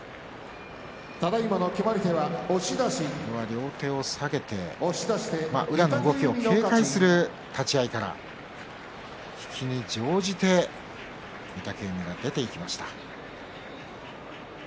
両手を下げて、宇良の動きを警戒する立ち合いから引きに乗じて御嶽海が出ていきました。